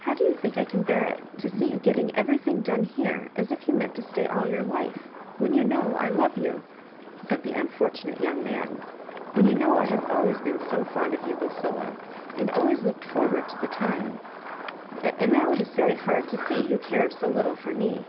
"How do you think I can bear it, to see you getting every thing done here, as if you meant to stay all your life — when you know I love you ?" said the un fortunate young man ;" when you know I have always been so fond of you, Lucilla, and always looked forward to the time ; and now it is very hard to see you care so little for me."